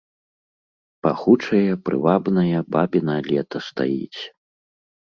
Пахучае, прывабнае бабіна лета стаіць.